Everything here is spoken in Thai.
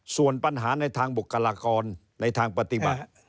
ส่วนปัญหาในทางบุคลากรในทางปฏิบัติ